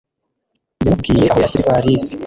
Yamubwiye aho yashyira ivalisi.